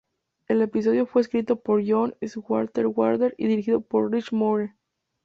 El episodio fue escrito por John Swartzwelder y dirigido por Rich Moore.